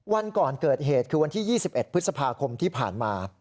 วันก่อนเกิดเหตุคือวันที่๒๑พฤษภาคมที่ผ่านมา